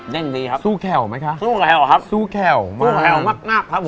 เต้นดีครับซู่แข่วไหมคะซู่แข่วครับซู่แข่วมากครับผม